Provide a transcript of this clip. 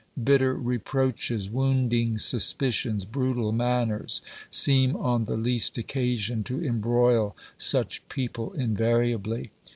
Bitter reproaches, wounding suspicions, brutal manners, seem on the least occasion to embroil such people invariably.